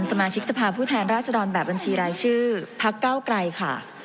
สมาชิกสภาพผู้แทนราชดรแบบบัญชีรายชื่อพักเก้าไกลค่ะ